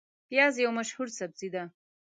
پیاز یو مشهور سبزی دی